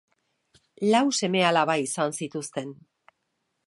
Lau seme alaba izan zituzten.